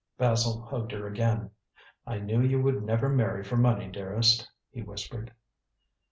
Basil hugged her again. "I knew you would never marry for money, dearest," he whispered.